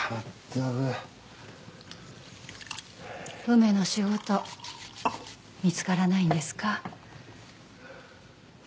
梅の仕事見つからないんですか？